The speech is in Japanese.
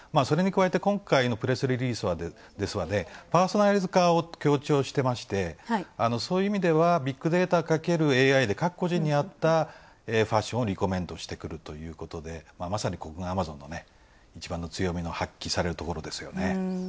それに加えて、今回のプレスリリースではパーソナライズ化を強調していましてそういう意味ではビッグデータかけるＡＩで各個人に合ったファッションをリコメントしてくるということでまさに、アマゾンの一番の強みが発揮されるところですよね。